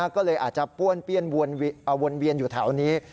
ก็เลยอาจจะป้วนเปี้ยนวนเวียนอยู่แถวนี้